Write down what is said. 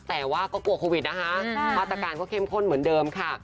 แต่ว่าก็กลัวโควิดนะคะมาตรการก็เข้มข้นเหมือนเดิมค่ะ